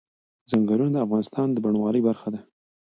ځنګلونه د افغانستان د بڼوالۍ برخه ده.